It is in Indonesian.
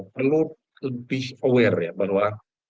perlu lebih aware ya bahwa